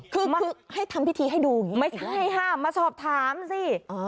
คือให้ทำพิธีให้ดูอย่างนี้ไม่ใช่ค่ะมาสอบถามสิ